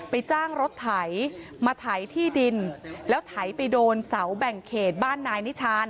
จ้างรถไถมาไถที่ดินแล้วไถไปโดนเสาแบ่งเขตบ้านนายนิชาน